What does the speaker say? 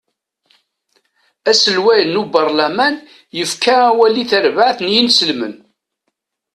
Aselway n ubarlaman yefka awal i terbaɛt n isenslmen.